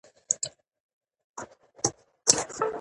دوی د بریالیتوب پر لمر خپل نوم ولیکه.